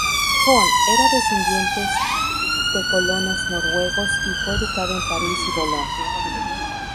Jón era descendientes de colonos noruegos y fue educado en Paris y Bolonia.